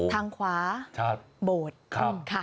ทางขวาโบสถ์